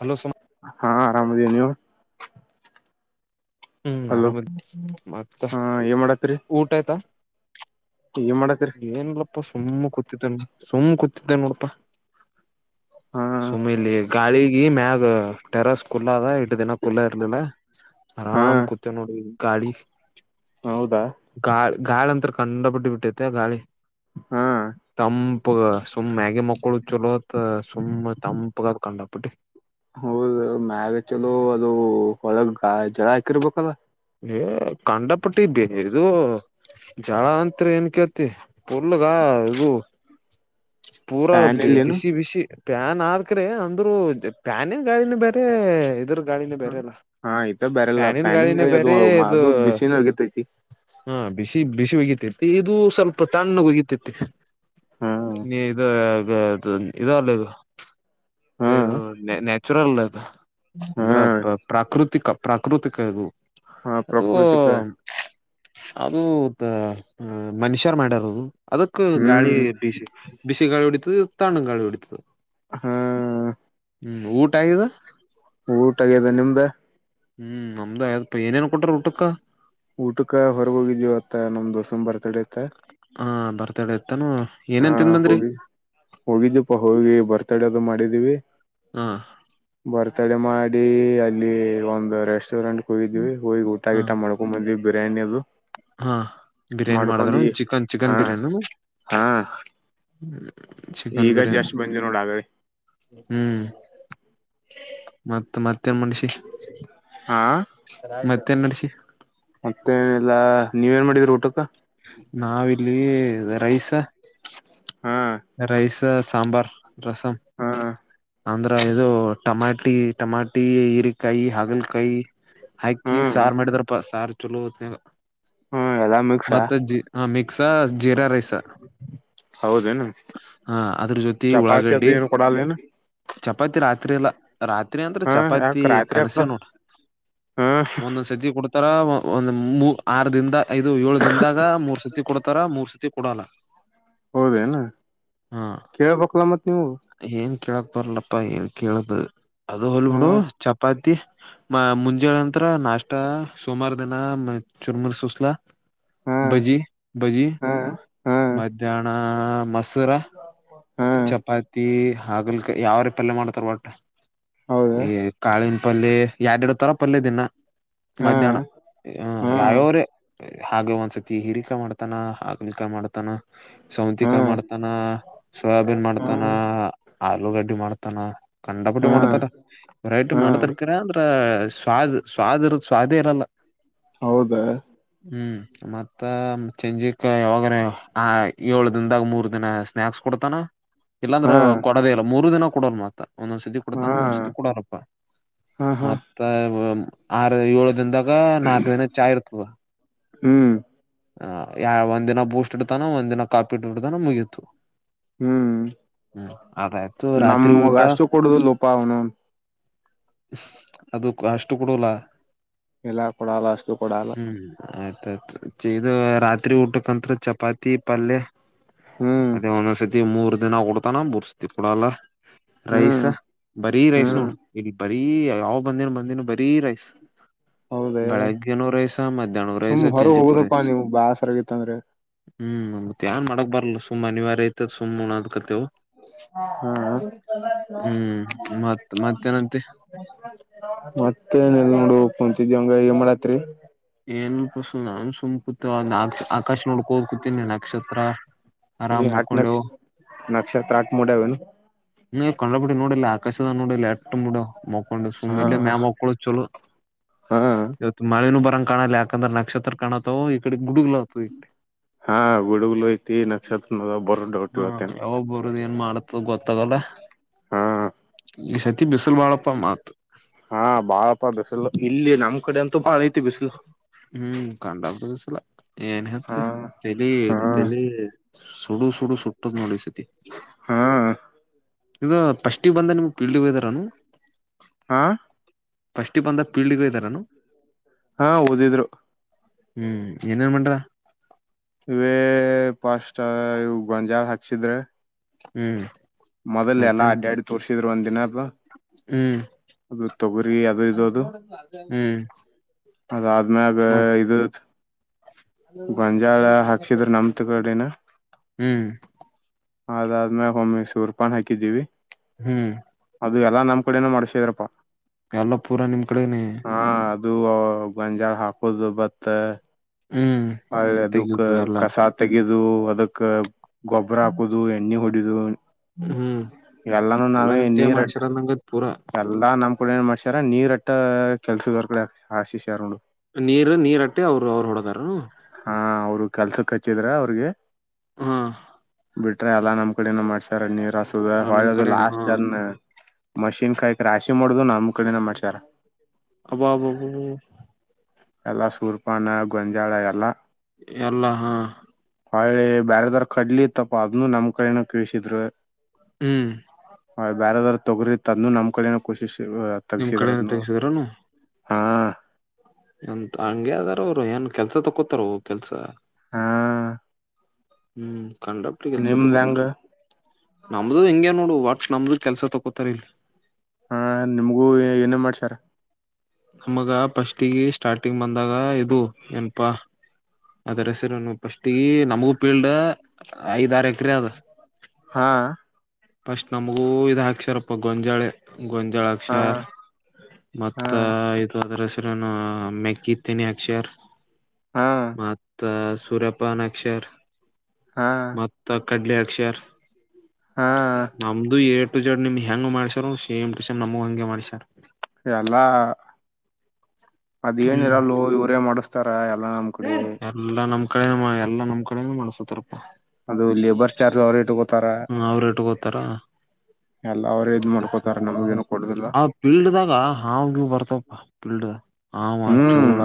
Hello ಹಾ ಆರಾಮದ ನೀವು ಹ್ಮ್ ಹಲೋ ಆರಾಮದ ಮತ್ತೆ ಹಾ ಏನ್ ಮಾಡತ್ರಿ ಊಟ ಆಯ್ತಾ ಏನ್ ಮಾಡತ್ರಿ ಏನಲ್ಲಪ್ಪ ಸುಮ್ಮ್ ಕೂತಿತಣ ಸುಮ್ಮ್ ಕ ನೋಡಪಾ ಹಾ ಸುಮ್ಮಲಿ ಗಾಳಿಗೆ ಮ್ಯ ಟೆರಸ್ ಕುಲ್ಲ ಇಟ್ಟ ದಿನ ಕುಲ್ಲ ಇರ್ಲಿಲ್ಲ ಹಾ ಆರಾಮ್ ಕುತ ನೋಡಿ ಕಾಳಿ ಹೌದಾ ಗಾಳ ಗಾಳ ಅಂತ ಕಂಡ ಪಿ ಬಿಟ್ಟ ತ್ತ ಗಾಳಿ ಹಾ ತಂಪ ಸುಮ್ ಮ್ಯಾಗಿ ಮಕ್ಕಳು ಚಲೋತ್ ಸುಮ್ ತಂಪಗ ಕಂಡ [unintelligible] ಹೌದ ಮ್ಯಾಗ ಚಲೋ ಅದು ಒಳಗ್ ಜಳ ಹಾಕಿರ್ಬೇಕಲ್ಲ ಏ ಕಂಡಪಟ್ಟೇ ಇದು ಜಳ ಅತ್ ಏನ್ ಕೇತಿ ಪುಲ್ಗ ಇದು ಪೂರಾ ಫ್ಯಾನ್ ಇಲ್ಲೇನು ಬಿಸಿ ಬಿಸಿ ಪ್ಯಾನ್ ಆದಕ್ರೆ ಅಂದ್ರ ಪ್ಯಾಾನನ್ ಗಾಳಿನ ಬೇರೆ ಇದ್ರ ಗಾಳಿನ ಹ ಬೇರೆ ಅಲ್ಲ ಹಾ ಈತ ಬರಲ್ಲ ಪ್ಯಾನಿನ ಪ್ಯಾನಿಂಗ್. ಗಾಳಿನೇ ಬೇರೆ ಮ್ಮ ಇದು ಅದು ಬಿಸಿನ ಆಗತೈತಿ. ಹ ಬಿಸಿ ಬಿಸಿ ಉಗತಿತಿ ಇದು ಸ್ವಲ್ಪ ತಣ್ಣ ಉಗತಿತಿ ಹಾ ಇದ ಅಲ್ಲದು. ಹಾ ಓ ಚುರಲ್ಲದು. ಹಾ ಅಂದ್ರ ಪ್ರಾಕೃತಿಕ. ಪ್ರಾಕೃತಿಕ ಇದು. ಹಾ ಅದು ಪ್ರಕೃತಿಿಕ. ಅದು ಮನಷ್ಯರ್ ಮಾಡ್ಯಾರದು. ಅದಕ್ಕ ಗಾಳಿ ಹ್ಮ್ ಬಿಸಿ ಬಿಸಿ ಗಾಳಿ ಹೊಡಿತದ. ತಾಣ ಕಳಿ ಎಿಡತಿದೆ. ಹಾ ಊಟ ಆಗಿದೆ ಊಟಗದೆ ನಿಮ್ದ. ಹ್ಮ್ ನಮ್ದ ಏನೇನ್ ಕೊಟ್ರ ಊಟಕ್ಕ. ಊಟಕ ಹೊರಗ ಹೋಗಿದೀವಿ ಅತ್ತ ನಮ್ ದೋಸಾ ಬರ್ತ. ತೊಡುತ್ತ. ಹಾ ಬರ್ತಡ. ಹಾ ಹೋಗಿ ಹೋಗಿದ್ದಪ್ಪಾ ಹೋಗಿ ಬರ್ತ. ತಡೋದು ಮಾಡಿದ್ದೀವಿ. ಹಾ. ಬರ್ತಡೆ ಮಾಡಿ ಅಲ್ಲಿ ಒಂದು ರೆಸ್ಟೋರೆಂಟ್. ಕೊದವಿ ಹೋಗ ಗಊಟಾ ಹಾ ಗಿಟಾ ಮಡಕು ಮಂದಿ. ಬಿರಯಾನಿ ಅದು. ಹಾ ಬಿರಿಯಾನಿ ಮಾಡ್ಕೊಂಡ್ ಮಾಡದಾರ ಈ ಚಿಕನ್ ಹಾ ಚಿಕನ್ ಬಿರಿಯಾನಿ. ಹಾ ಚಿಕನ್ ಈಗ ಬಿರಿಯಾನಿ ಜಸ್ಟ್ ಬಂದಿ ನೋಡ ಆಗಳಿ ಹ್ಮ್. ಮತ್ತೆ ಮತ್ತೆ. ಮತ್ತೆ ಮನಷಿ ಹಾ ಮತ್ತೆ. ತಿೆನ್ನಡಿಿಸಿಿ. ಮತ್ತೇನಿಲ್ಲ. ನೀವ ಏನ್ ಮಾಡಿದ್ರರಿ ಊಟಕ್ಕ. ನಾವಿಲ್ಲಿ ರೈಸ. ಹಾ ರೈಸ್. ಸಾಂಬಾರ್. ರಸಂ. ಹಾ ಅಂದ್ರ ಇದು ಟಮಾಟಿ ಟಮಾಟಿ ಈರೆಕಾಯಿ ಹಾಗಲಕಾಯಿ ಅಕ್ಕಿ ಹ್ಮ್ ಸಾರು ಮಾಡಿದ್ರಪ್ಪ ಸಾರ್ ಚಲೋತ್ತ ಹ್ಮ್ ಎಲ್ಲಾ ಮಿಕ್ಸಾ ಮತ್ತೆ ಜಿ ಮಿಕ್ಸ ಜೀರಾ ರೈಸ. ಹೌದೇನು ಹಾ ಅದ್ರ ಜೊತೆ ಚಪಾತಿ ಅದು ಉಳ್ಳಾಗಡ್ಡಿ ಏನು ಕೊಡಲ್ಲೇನು ಚಪಾತಿ ರಾತ ತ್ರೇಲ ರಾತ್ರಿ ಅಂದ್ರ ಹಾ ಯಾಕ ಚಪಾತಿ ರಾತ್ರಿ ಯಾಕ ಕನಸೆ ಕೊಡಲ್ಲ ನೋಡು ಹಾ ಒಂದೊಂದ್ ಸತಿ ಕೊಡ ಇಧರ ಬಂದು ಆರು ದಿನದ ಇದು ಏಳು ದಿನದಾಗ ಮೂರ್ ಸತಿ ಕೊಡ್ತಾರ ಮೂರ್ ಸತಿ ಕೊಡಲ್ಲ ಹೌದೇನು ಕೇಳಬೇಕ್ಲ ಮತ್ ನೀವು. ಕಿಳಕ್ ಬರಲ್ಲಪ್ಪ ಏನ್ ಹೇಳೇದು. ಅದು ಹೊಲ್ ಬಿಡು ಹ್ಮ್ ಚಪಾತಿ. ಮ ಮುಂಜಾನೆ ನಂತ್ರ ನಷ್ಟಾ ಸೋಮಾರ ದಿನ ಮ ಚುರ್ಮರ್ ಸುಸ್ಲಾ. ಹಾ ಬಜಿ ಬಜಿ ಹಾ ಹಾ ಮಧ್ಯಾಹ್ನ. ಹಾ ಮಸ್ತ. ಸುರ ಹಾ ಚಪಾತಿ ಹಾಗಲ್ಕಾಯಿ ಯಾವ ರೆ ಪಲ್ಯ ಮಾಡ್ತಾರ ವಟ್ ಹೌದಾ ಏ ಕಳಿಂದ್ ಪಲ್ ಎರಡ್ರಡು ತರ ಪಲ್ಯ ದಿನ ಹಾ ಮಧ್ಯಾಹ್ನ ಹ ಹಾ ಯಾವ್ಯಾವ್ರೇ ಹಾಗೆ ಒಂದ್ಸತಿ ಹಿರಿಕಾಯ ಮಾಡ್ತಾನ ಹಾಗಲಕಾಯ ಮಾಡ್ತಾನ ಹಾ ಸೌಂತಿಕಾಯ ಮಾಡ್ತಾನ. ಸೋಯಾಬೀನ್ ಹಾ ಮಾಡ್ತಾನ ಆಲೂಗಡ್ಡಿ ಮಾಡ್ತಾನ ಕಂಡಪುಟ್ಟಿ ಹಾ ಮಾಡ್ತಾರ ಹಾ ಮಾಡತರ ಕರೆ ಅಂದ್ರ ಸ್ವಾದ್. ಸ್ವಾದ್ ಇರ್ ಸ್ವಾದೇ ಇರಲ್ಲ ಹೌದಾ ಹ್ಮ್. ಮತ್ತ ಚೆಂಜಿಕ್ ಯಾವಾಗ್ರ ಆ ಏಳ ದಿಂದಾಗ ಮೂರ್ ನಾ ಸ್ನಾಯಾಕ್ಸ್ ಕೊಡ್ತಾನ ಇಲ್ಲಾ ಅಂದ್ರ ಹಾ ಕೊಡದೇ ಇಲ್ಲ ಮೂರು ದಿನ ಕೊಡೋಲ್ ಮತ್ತ ಒಂದೊಂದ್ ಸತಿ ಹಾ ಕೊಡತಾನ ಒಂದ್ ಸತಿ ಕೊಡೋಲಾಪ್ಪ ಹಾ ಹಾ ಮತ್ತ ಆರು ಏಳ ದಿಂದಾಗ ಗ ನಾಕ್ ದಿನ ಚಾ ಇರ್ತದ ಹ್ಮ್ ಹ ಯ ಒಂದ ದಿನ ಬೂಸ್ಟ್ ಇಡ್ತಾನ ಒಂದ ದಿನ ಕಾಪಿ ಇಟ್ಟಬಡ್ತಾನ ಮುಗಿತು. ಹ್ಮ್ ರಾತ್ರಿ ನಮಗ ಊಟ ಅಷ್ಟು ಕೊಡುದುಲೋಪ ಅವನ ನೌನ್. ಅದು ಅಷ್ಟು ಕೊಡಲಾ. ಎಲ್ಲಾ ಕೊಡಲ್ಲ ಅಷ್ಟು ಕೊಡಲ್ಲ [unintelligible] ಇದು ರಾತ್ರಿ ಊಟ ಕಂತ್ರು ಚಪಾತಿ ಪಲ್ಯ ಹ್ಮ್ ಅದೇ ಒಂದ್ ಒಂದ್ ಸತ್ ಮೂರ್ ದಿನ ಬುಡ್ತಾನ ಮೂರ್ ಸತಿ ಕೊಡಲ್ಲ ರೈಸ್ ಹ್ಮ್ ಬರೀ ರೈಸ್ ಹ್ಮ್ ನೋಡು ಇಲ್ಲಿ ಬ ಬರೀ ಯಾವ್ ಬಂದಿನ ಬಂದಿನಿ ಬರೀ ರೈಸ್ ಹೌದೇ ಬೆಳಗ್ಗೆನು ರೈಸ ಮಧ್ಯಾನ್ ರೈಸ ಚೆಂಜಿ ಅಪ್ಪ ನೀಮ್ ಬ್ಯಾಸರಾಗಿತ್ತಂದ್ರೆ ಸುಮ ಅನಿವಾರ್ಯಯತ ಸುಮ್ ಉನ್ನಾಕ್ ಹತ್ತಿವು ಹಾ ಹ್ಮ್ ಮತ್ ಮತ್ತೇನಂತಿ ಮತ್ತೆನಿಲ್ಲ ನೋಡಪ್ಪ ಹಂಗಾಗಿ ಎನ್ಮದತ್ತಿರಿ ಏನು ಪುಸು ನಾನು ಸು ಕುತು ನಾಕ್ ಆ ಆಕಾಶ ನೋಡ್ ಕೋಂಡ್ ಕುೂತೀನಿ ನಕ್ಷತ್ರ ಆರಾಮ್ ಆಟ್ ನಕ್ಷ ಮಕೊಂಡವು ನಕ್ಷತ್ರ ಆಟ್ ಮಾಡ್ಯಾವೇನು [unintelligible] ನೋಡಿಲ್ಲ ಆಕಾಶ ನೋಡಿಲ್ಲ [unintelligible] ಮಕೊಂಡು ಹಾ ಸುಮ್ಮ್ ಇಲ್ಲೇ ಮ್ಯಾಲಾ ಮಕ್ಕೊಳ್ಳೊ ಚಲೋ ಹಾ ಇವತ್ತು ಮಳೆನು ಬರಂಗ ಕಾಣಲ್ಲ ಯಾಕಂದ್ರ ನಕ್ಷತ್ರ ಕಾಣತವೂ ಇಕಡೆ ಹಾ ಗುಡುಗಲು ಐತಿ ನಕ್ಷತ್ರ ಅದವು ಬರ್ ಹಾ ಡೌಟವತ್ತೇನ್ ಯಾವಾಗ ಬರೋದ್ ಏನ್ ಮಾಡತ್ತ ಗೊತ್ತಾಗಲ್ಲ ಹಾ ಈ ಸತಿ ಬಿಸ್ ಹಾ ಬಾಳಪ್ಪ ಬಿಸ್ಸಿಲು ಇಲ್ಲಿ ನಮ್ಮ ಕಡೆ ಅಂತೂ ಬಾಳಿ ಹ್ಮ್ ಕಂಡ [unintelligible] ಏನ್ ಹೆತ್ತ ಹಾ ತಲೀ ಹಾ ತಲೀ ಸುಡು ಸುಡು ಸೋಟ್ಟದ್ ನೋಡ್ ಈ ಸತಿ ಹಾ ಈಗ ಪಸ್ಟೀಗ್ ಬಂದ ನಿಮ್ ಪೀಲ್ಡಿಗೆ ಹೋದರೇನು ಹಾ ಫಸ್ಟಿಗೆ ಬಂದ ಪೀಲ್ಡಿಗೆ ಹೋದರೇನು ಹಾ ಓದಿದ್ರು ಹ್ಮ್ ಏನೇನ್ ಮಂಡ್ರಾ ಇವೇ ಪಸ್ಟಾ ಇವ್ ಗಂಜಾರ ಹಾಚ್ಚೀದ್ರಾ ಹ್ಮ್ ಮೊದಲ್ ಎಲ್ಲ ಮತ್ತೇನ್ ಅಡ್ಯಾಡಿ ತೋರ್ಷ ಇದ್ರ ಒಂದ ದಿನ ವಾಹ ಹ್ಮಞ ಅದು ತೊಗರಿ ಅದು ಇದು ಅದು ಹ್ಮ್ ಅದ ಆದ್ಮ್ಯಾಗ ಮತ್ ಇದ ಗಂಜಾಳ ಹಾಕ್ಸಿದ್ರ ನಮತ್ ಕಡೆನ ಹ್ಮ್ ಅದಾದ್ಮೇಲೆ ಒಮ್ಮೆ ಶೂರ್ಪನ್ ಹಾಕಿದ್ದೀವಿ ಹ್ಮ್ ಅದು ಎಲ್ಲ ನಮ್ಮ ಕಡೆನೆ ಮಾಡ್ಸಿದ್ರರು ಪ ಎಲ್ಲ ಪೂರ ನಿಮ್ ಕಡೆನ ದು ಗಂಜಾ ಹಾಕುದು ಬತ್ತ ಹ್ಮ್ ಹಳ್ಳೆ ಅದುಕ್ಕ ತೆಗಿಬೇಕು ಎಲ್ಲ ಕಸ ತೆಗೆದು ಇದು ಅದಕ್ಕ ಗೊಬರ ಹಾಕುದು ಎಣ್ಣಿ ಹು [unintelligible] ಹ್ಮ್ ಎಲ್ಲ ನಿಮಕೆ ಮಾಡ್ಸಾರಂದಂಗದ್ ಪೂರಾ ಕೂಡ ಏನ್ ಮಾಡ್ಸ್ಯಾರ ನೀರಟ್ಟ ಕೆಲಸರ ಕಡೆ ಆಸಷ್ಯಾರ ನೀರ್ ನೀರಟ್ಟೆ ಅವ್ರು ಅವ್ರು ಹೊಡದ ಹ್ಮ್ಮ್ ಹಾ ಅವ್ರು ಕೆಲ್ಸಕ್ ಹಚ್ಚಿದ್ರ ಅವ್ರಿಗೆ ಹಾ ಬಿಟ್ರೆ ಅಲ್ಲ ನಮ್ಮ ಕಡೆನ ಮಾಡ್ಸಾ ಸರ್ ನೀರ್ ಹಸೋದ ನಿಮ್ ಹೊದು ಕಡೆನ ಲಾಸ್ಟ್ ಹಾ ಜನ್ ಮಷಿನ್ ಕಾಯ ರಾಶಿ ಮಾಡುದು ನಮ್ಮ್ ಕಡಿನ ಮಾಡ್ಸ್ಯಾರ ಅಬಬ್ಬಬ ಪಲ್ಲ ಸುರ್ಪಾನ ಗುಂಜಾಳ [unintelligible] ಎಲ್ಲ ಹ್ಮ ಹಳೆ ಬ್ಯಾರದಾರ್ ಕಡ್ಲಿ ಇತ್ತಪ್ಪ ಅದನ್ನುೂ ನಮ್ ಕಡನ ಕಿಸಿದ್ರು ಹ್ಮ್ ಹ ಬಾರ ಹದಾರ ತೊಗ್ರ ತದನ್ನು ನಮ್ಮ ಕಡೆ ಕೋಶಿಶ ನಿಮ ಕಡೆಯಿಂದ ತೆೆಗೆಸಿದ್ರನು ಹಾ ಎಂತ ಹಂಗಗೆ ಅದಾರ ಅವರು ಏನ್ ಕೆಲ್ಸ ತಕೋತಾರ ಕೆಲ್ಸ ಹಾ ಹ್ಮ್ ಕಂಡಪ್ರ ಕೆಲ್ಸ ನಿಮ್ದ್ ತಗೋತಾರೆ ಹೆಂಗ ನಮ್ದು ಹಿಂಗಗೆ ನೋಡು ವಟ್ ನಮ್ದು ಕೆಲ್ಸ ತಕೋತಾರ ಇಲ್ಲಿ ಹಾ ನಿಮ್ಗೂ ಏನೇ ಮಾಡ್ಸ್ಯಾರ ನಮಗ ಫಸ್ಟಗ ಸ್ಟಾರ್ಟಿಂಗ್ ಬಂದಾಗ ಇದು ಏನಪಾ ಅದರಸರನು ಪಫಸ್ಟ್ಗ ನಮಗೂ ಪೀಲ್ಡ್ ಐದ ಆರು ಎಕರೆ ಆದ ಹಾ ಫಸ್ಟ್ ನಮಗೂ ಇದ ಹಾಕ್ಸರಪ್ಪ ಗೊಂಜಾಳೆ ಹಾ ಗೊಂಜಾಳಾಕ್ಷರ ಹಾ ಮತ್ತ ಇದು ರೆಸಿ ಮೆಕ್ಕಿ ಇತೇನೆಿ ಅಕ್ಷಾರ್ ಹಾ ಮತ್ ಸುರಪ್ಪ ಅಕ್ಷರ ಹಾ ಮತ್ತ ಕಡ್ಲೆ ಅಕ್ಷರ್ ಹಾ ನಮ್ದು ಏ ಜಡ್ ನಿಮ್ ಹೆಂಗ ಮಾಡ್ಸರ್ ಸೇ್ ಟು ಸೇಮ್ಮ್ಗ ಹಂಗೆ ಮಾಡ್ಸರ್ ಎಲ್ಲ ಅದೇ ಏನಿರಲ್ವೋ ಇವರೇ ಮಾಡಿಸ್ತಾರ ಪ್ರಾಯ ಎಲ್ಲ ನಮ ಕಡೆ ಮಾಡ ಎಲ್ಲಾ ನಮ್ ಕಡೆೇನೆ ಮಾಡ ಸತರ್ಪ್ಪಪ ಅದು ಲೇಬರ್ ಚಾರ್ಜ್ ಅವ್ರೇ ತಗೋ ಹ್ಮ ಅವ್ರೇ ತಗೋತರ ಎಲ್ಲಾ ಅವ್ರೇ ಇದ್ ಮಾಡ್ಕೋತಾರ ನಮಗೇನು ಕೊಡುದಿಲ್ಲ ಆ ಪೀಲ್ಡ್ದಾಗ ಹಾವಗಿವ್ ಬರ್ತ ಆ ಫೀಲ್ಡ್ ಹಾವ ಹ್ಮ್ ಚೋಳ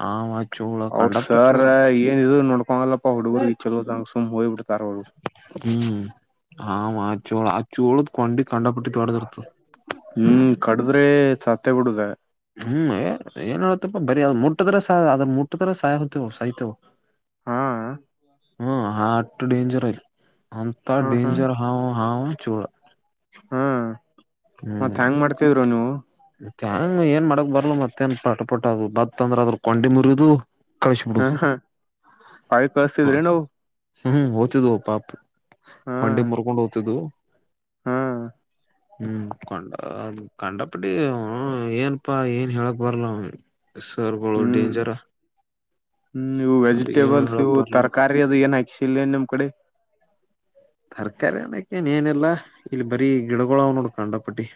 [unintelligible] ಅವ್ರ ಕಂಡಾಪಟ್ಟಿ ಸರ್ ಚೋಳ ಏನ್ ಇ ನೋಡ್ಕೊಂಗಲ್ಲಪ್ಪಾ ಹುಡುಗರ್ಗ್ ಚಲೋದಂಗ ಸುಮ್ ಹೋಗ್ ಬಿಡ್ತಾರ ಅವ ಹ್ಮ್ ಹಾವ ಚೋಳ ಆ ಚೋಳ ಕೊೊಂಡಿ ಕಂಡಪುಟ್ಟಿ ದೊಡ್ಡ ಇರ್ತಾ ಹ್ಮ್ ಕಡದ್ರೆ ಸತ್ತ ಬಿುಡುುದ ಹ್ಮ್ ಏನ್ ಹಳ್ತಪ್ಪ ಬರಿೀ ಅ್ ಮುಟ್ಟಿದ್ರೆ ಸಹಾಯ ಅದ ಮುಟ್ಟಿದ್ರ ಸಯತೇವ ಸಾಯ್ತೇವು ಹಾ ಹ್ಮ ಹಾರ್ಟ ಡೇಂಜರ್ ಅಂತ ಹಾ ಹಾ ಡೆಂಜರ್ ಹಾವೂ ಹಾವು ಚೂಳ ಹಾ ಮತ್ತತ್ ಹೆಂಗ್ ಮಾಡ್ತಿದ್ರು ನೀವು ಹಂಗ ಏನ್ ಮಾಡಕ್ ಬರ್ಲ ಮತ್ತೇನ್ ಪಟ ಪಟಟ್ ಅದು ಬತ್ತ ಅಂದ್ರ ಅದ್ರ ಕೊಂಡಿ ಮುರಿದು ಹ ಕಳಸಬಿಡುದು ಹ ಕಾಯಿ ಕಳ್ಸ್ತಿದ್ರಿ ನಾವು ಹ್ಮ್ ಓ್ತಿದ್ವು ಪಾಪ ಹಾ ಕೊಂಡಿ ಮುರ್ಕೊಂಡು ಹದ್ತಿದ್ದವು ಹಾ ಹ್ಮ್ ಕೊಂಡ ಕಂಡ ಅಡಿ ಅವ ಏನಪ್ಪಾ ಏನ್ ಹೇಳಕ್ ಬರಲ್ಲ ಅವಿಗೆ ಹ್ಮ್ ಹ್ಮ್ ಇವು ಅವ್ರಿಗ ಏನು ವೆಜಿಟೇಬಲ್ಸ್ ಹೇಳಕ್ ಇವು ಬರ್ಲ್ಲ ತರಕಾರಿ ಅದು ಏನಯತ ಶಿಲ್ಲ ನಮ್ಮ್ ಕಡೆ ತರ್ಕಾರಿ ಅನಕ್ಕೇನ್ ಏನಲ್ಲಾ ಇಲ್ಲಿ ಬರಿೀ ಗಿಡಗಳು ಅವ ನೋಡ್ಕಂಡಪುಟ್ಟಿ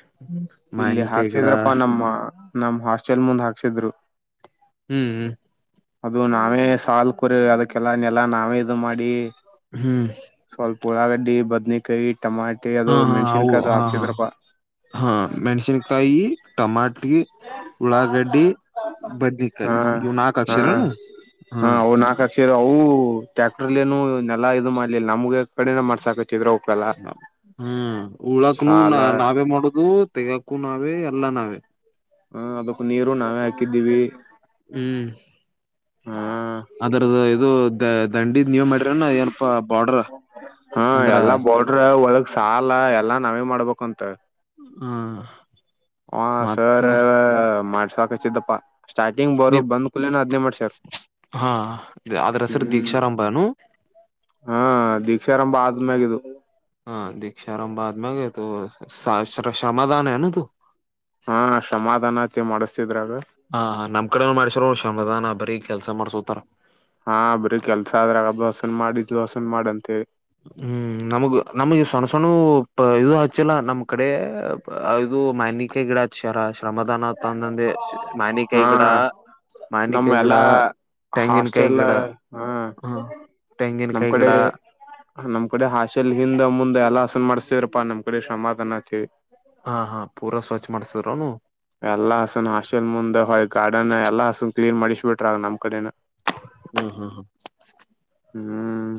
ಇಲ್ಲಿ ಹಾಕ್ಸಿದ್ರಪ್ಪಾ ನಮ್ಮ ನಮ ಹಾಸ್ಟೆಲ್ ಮುಂದ್ ಹಾಕ್ಸಿದ್ರು ಹ್ಮ್ ಅದು ನಾವೇ ಸಾಲು ಕೊರಿ ಅದಕ್ಕೆಲ್ಲ ನೆಲ್ಲ ನಾವೇ ಇದು ಮಾಡಿ ಹ್ಮ್ ಸ್ವಲ್ಪ ಉಳಾಗಡ್ಡಿ ಬದ್ನಿ ಕೈ ಹಾ ಹಾ ಹ ಹಾ ಹಾ ಹಾ ಮೆಣ್ಸಿನ್ಕಾಯಿ ಟಮಟ ಿ ಉಳ್ಳಾಗಡ್ಡಿ ಹಾ ಬದನಕಾಯಿ ಇವ್ ನಾಕು ಅಕ್ಷರನು ಹಾ ಸೇ ಅವು ಟ್ಯಾಕ್ಟರ್ಲ್ಲಿ ನನುೆಲ್ಲಾ ಇದು ಮಾಡ್ಲಿಲ್ಲ ನಮ್ಗೆ ಕಡೆನ ಮಾಡ್ಸಕ ಹ್ಮ್ ಉಳಕ್ನು ಸಾಲ ನಾವೇ ಮಾಡುದು ತೆಗಕು ನಾವೇ ಎಲ್ಲ ನಾವೇ ಹಾ ಅದಕ್ ನೀರು ನಾವೇ ಹಾಕಿದ್ದೀವಿ ಹ್ಮ್ ಹಾ ಅದ್ರದ್ದ ಇದು ದ ದಂಡಿದ್ ನೀವ ಮಾಡರನ ಏನಪಾ ಬಾರ್ಡ್ರ ಹಾ ಅಂದ್ರ ಎಲ್ಲಾ ಬಾರ್ಡ್ರ ಒಳಗ್ ಸಾಲ ಎಲ್ಲಾ ನಾವೇ ಮಾಡ್ಬೇಕಂತ ಹ್ಮ ಹ ಸರ್ ಮಾಡ ಸಾಕ ಚಿದ್ದಪ್ಪಾ ಸ್ಟಾರ್ಟಿಂಗ್ ಬರು ನೀ ಬಂದ್ಕೂಲೆನ ಅದ್ನೇ ಮಾಡ್ಸ್ಯಾರ ಹಾ ಅದ್ರ ಹೆಸರು ಹ್ಮ್ ದೀಕ್ಷಾರಂಭನು ಹಿ ಕಕ್ಷರಭ ಆದ್ಮ್ಯಾಗಿದದು ಹಾ ದೀಕ್ಷಾರಾಮಬಾದ್ ಮಗೆ ಶರ್ಮದಾನ ನು ತು ಹಾ ಸಮಾಧಾನತಿ ಮಾಡಿಸಸ್ತಿದ್ರ ಅದು ಕಡ ಮಾಡಸರು ಶಮದಾನ ಬರೀ ಕೆಲಸ ಮಾಡ್ಸೋತಾರ ಹಾ ಅಬ್ರಿ ಕೆಲ್ಸ ಆದ್ರಾಗ ಬಸನ್ ಮಾಡಿ ದೋಸನ್ ಮಾಡಂತೇವಿ ಹ್ಮ್ ನಮಗ ನಮಗೆ ಸಣ್ಣ ಸಣ್ಣು ಇ ಇದು ಆಚಲಾ ನಮ್ಮ್ ಕಡೆ ಇದು ಮಾನಿಕಾಯಿ ಗಿಡ ಹ ಶಾರ ಶ್ರಮದಾನ ತಂದಂದೆ ಹಾ ಮಾನಿಕಾಯಿ ಗಿಡ ನಮ್ ಮಾನಿಕೈ ಗಿಡ ಎಲ್ಲಾ ತೆಂಗಿನನ್ಕಾಯಿ ಹಾಸ್ಟೆಲ್ ಗಿಡ ಹ ಹ ನಮ್ ತೆಂಗಿನಕಾಯಿ ಗಿಡ ಕಡೆ ನಮ್ ಕಡೆ ಹಾಸೆಲ್ ಹಿಂದ ಮುಂದೆ ಎಲ್ಲ ಮಾಡ್ಸ್ತೇರಾ ನಮ್ ಕಡೆ ಸಮಾಧಾನ ಆತೀವಿ ಹಾ ಹಾ ಪೂರಾ ಸ್ವಚ್ ಮಾಡ್ಸಿದ್ರನು ಎಲ್ಲಾ ಹಸನ್ ಹಾಸ್ಟೆಲ್ ಮುಂದೆ ಹೊಯ್ ಗಾರ್ಡನ್ ಎಲ್ಲ ಹಸನ್ ಕ್ಲೀನ್ ಮಾಡಿಸ್ ಬಿಟ್ರ ಆಗ ನಮ್ಮ ಕಡೆನ ಹ್ಮ್ ಹ್ಮ್ ಹ್ಮ್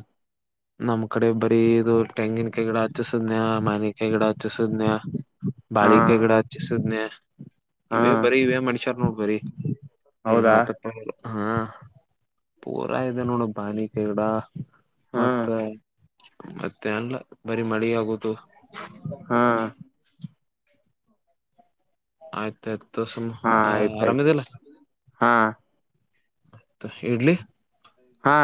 ನಮ್ ಕಡೆ ಬರೀ ಇದು ತೆಂಗಿನ ಕೈ ಗಡ ಹಚ್ಚಸದ್ನಯ ಮನೆ ಕೈ ಗಿಡ ಹಚ್ಚಸದ್ನ್ಯ ಹಾ ಬಾಳಿ ಕೈ ಗಿಡ ಹಚ್ಚಿಸಿದ್ನಯ ಹಾ ಇವೇ ಬರೀ ಇವೇ ಮಣಸ್ಯಾರ್ ನೋಡ್ ಬರೀ ಏನ್ ಹೌದಾ ಹೇಳತಕ್ಕ ಹಾ ಪೂರಾ ಇದೆ ನೋಡ ಬಾನಿಕಗಡ ಹ್ಮ್ ಮತ್ತ ಮತ್ತೆ ಅಲ್ಲ ಬರಿೀ ಮಳೆ ಆಗುದು ಹಾ ಆಯ್ತಾಯಯ್ತು ಹಾ ಆಯ್ತ ಆಯ್ತು ಹಾ ಇಡ್ಲಿ ಹಾ